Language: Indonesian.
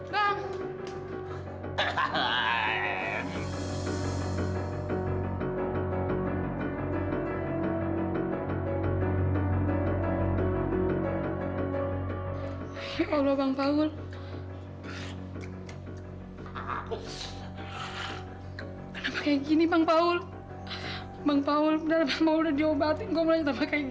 pelanggan gue dibuka